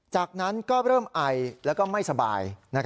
จากนั้นก็เริ่มไอแล้วก็ไม่สบาย